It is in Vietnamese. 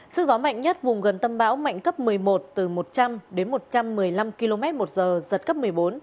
sức gió mạnh nhất vùng gần tâm bão mạnh cấp một mươi một từ một trăm linh đến một trăm một mươi năm km một giờ giật cấp một mươi bốn